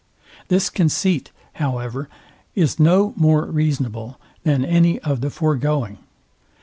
This conceit, however, is no more reasonable than any of the foregoing.